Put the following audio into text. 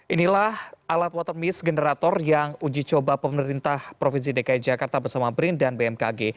inilah alat water miss generator yang uji coba pemerintah provinsi dki jakarta bersama brin dan bmkg